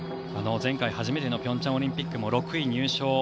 前回初めてのピョンチャンオリンピックも６位入賞。